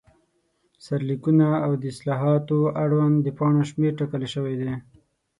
سرلیکونه، او د اصطلاحاتو اړوند د پاڼو شمېر ټاکل شوی دی.